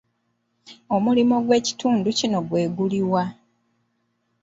Omulimu gw'ekitundu kino gwe guliwa?